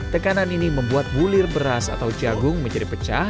tekanan ini membuat bulir beras atau jagung menjadi pecah